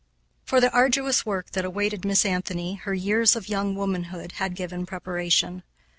For the arduous work that awaited Miss Anthony her years of young womanhood had given preparation.